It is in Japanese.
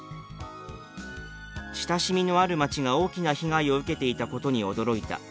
「親しみのある町が大きな被害を受けていたことに驚いた。